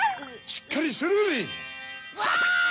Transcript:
しっかりするウリ！わい！